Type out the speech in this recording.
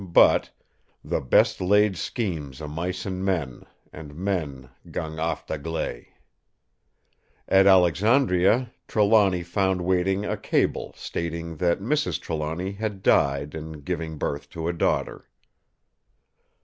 But 'The best laid schemes o' mice and men Gang aft agley.' At Alexandria, Trelawny found waiting a cable stating that Mrs. Trelawny had died in giving birth to a daughter.